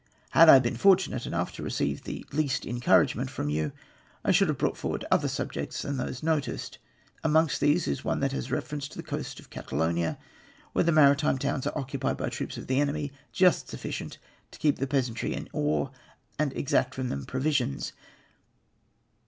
" Had I been fortunate enough to receive the least en couragement from you I should have brought forward other objects than those noticed. Amongst these is one that has reference to the coast of Catalonia, where the maritime towns are occupied by troops of the enemy just sufficient to keep the peasantry in awe and exact from them provisions.